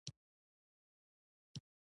دښته د طبیعت قوي ازموینه ده.